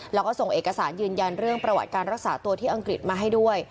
แล้วก็ส่งเอกสารยืนยันเรื่องประวัติการรักษาตัวที่อังกฤษมาให้ด้วย